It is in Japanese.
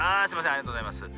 ありがとうございます。